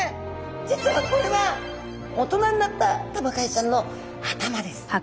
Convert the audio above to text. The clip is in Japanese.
実はこれは大人になったタマカイちゃんの頭です。